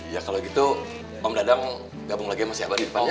ya kalau gitu om dadang gabung lagi sama siapa di depannya